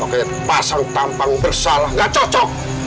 pokoknya pasang tampang bersalah gak cocok